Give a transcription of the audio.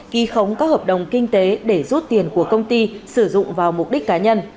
ghi khống các hợp đồng kinh tế để rút tiền của công ty sử dụng vào mục đích cá nhân